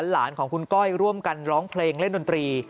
หลานของคุณก้อยร่วมกันร้องเพลงเล่นดนตรี